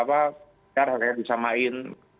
ya harganya bisa main